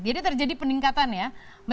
jadi terjadi peningkatan ya